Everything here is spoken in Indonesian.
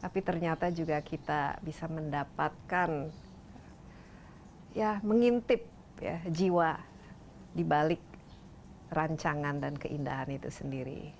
tapi ternyata juga kita bisa mendapatkan ya mengintip jiwa dibalik rancangan dan keindahan itu sendiri